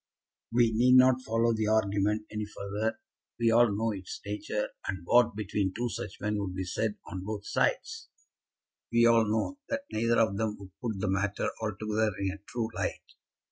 We need not follow the argument any further. We all know its nature, and what between two such men would be said on both sides. We all know that neither of them would put the matter altogether in a true light.